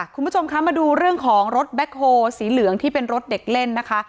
คุณผู้ชมคะมาดูเรื่องของรถแบ็คโฮลสีเหลืองที่เป็นรถเด็กเล่นนะคะ